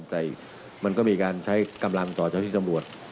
แต่มันก็มีการใช้กำลังต่อเจ้าที่ตำรวจ